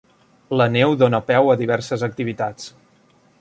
La neu dona peu a diverses activitats.